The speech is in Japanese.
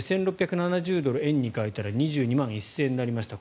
１６７０ドル、円に替えたら２２万１０００円になりました。